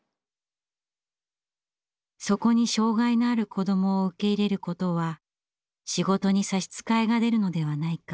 そこに障害のある子どもを受け入れることは仕事に差し支えが出るのではないか。